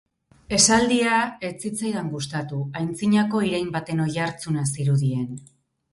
Esaldia ez zitzaidan gustatu, antzinako irain baten oihartzuna zirudien.